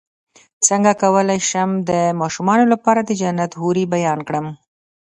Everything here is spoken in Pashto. څنګه کولی شم د ماشومانو لپاره د جنت حورې بیان کړم